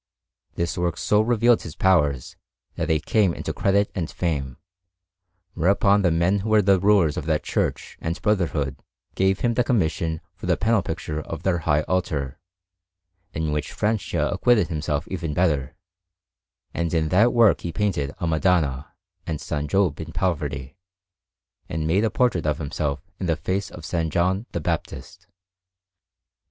This work so revealed his powers that he came into credit and fame; whereupon the men who were the rulers of that church and brotherhood gave him the commission for the panel picture of their high altar, in which Francia acquitted himself even better; and in that work he painted a Madonna, and S. Job in poverty, and made a portrait of himself in the face of S. John the Baptist.